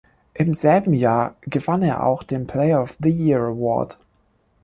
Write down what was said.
Im selben Jahr gewann er auch den "Player of the Year"-Award.